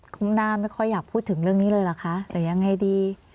คุณหน้าไม่ค่อยอยากพูดถึงเรื่องนี้เลยเหรอคะหรือยังไงดี